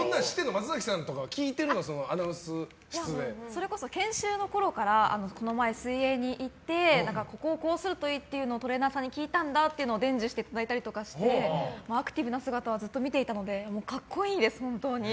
松崎さんとかそれこそ、研修のころからこの前、水泳に行ってここをこうするといいってトレーナーさんに聞いたんだって伝授していただいたりしてアクティブな姿をずっと見ていたので格好いいです、本当に。